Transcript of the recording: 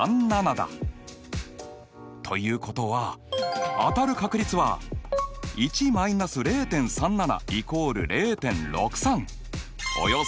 ということは当たる確率は１ー０．３７＝０．６３。